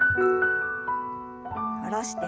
下ろして。